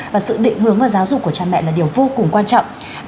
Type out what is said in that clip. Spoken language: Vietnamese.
và sự định hướng và giáo dục của cha mẹ là điều vô cùng quan trọng